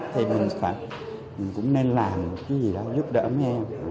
thì mình cũng nên làm cái gì đó giúp đỡ mấy em